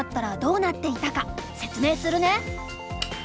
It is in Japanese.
どうなっていたか説明するね。